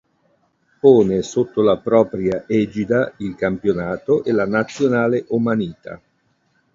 Pone sotto la propria egida il campionato e la Nazionale omanita.